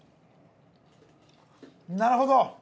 なるほど。